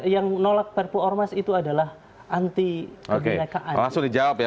yang menolak perpu ormas itu adalah anti kebinekaan